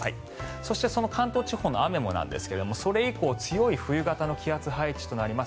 そしてその関東地方の雨もですがそれ以降強い冬型の気圧配置となります。